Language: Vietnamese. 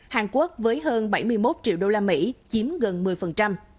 hàn quốc với hơn bảy mươi một triệu đô la mỹ chiếm gần một mươi